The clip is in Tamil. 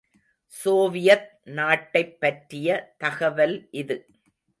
சோவியத் நாட்டைப் பற்றிய தகவல் இது.